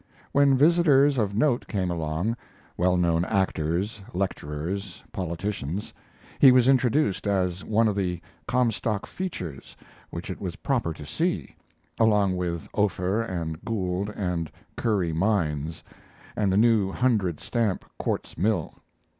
When visitors of note came along well known actors, lecturers, politicians he was introduced as one of the Comstock features which it was proper to see, along with the Ophir and Gould and Curry mines, and the new hundred stamp quartz mill.